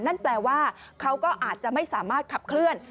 นั่นแปลว่าเขาก็อาจจะไม่สามารถขับเคลื่อน